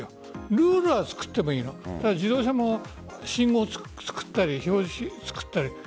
ルールは作っても良い自動車も、信号を作ったり標識を作ったり。